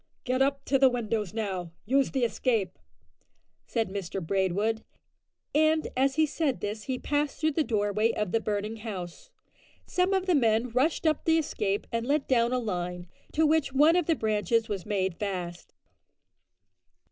"Get up to the windows now; use the escape," said Mr Braidwood; and as he said this he passed through the doorway of the burning house. Some of the men rushed up the escape and let down a line, to which one of the branches was made fast.